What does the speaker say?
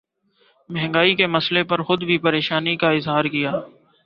مہنگائی کے مسئلے پر خود بھی پریشانی کا اظہار کیا